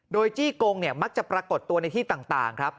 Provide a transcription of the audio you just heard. โดยจี้กงมักจะปรากฏตัวในที่ต่างครับ